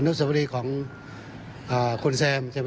ช่วยให้สามารถสัมผัสถึงความเศร้าต่อการระลึกถึงผู้ที่จากไป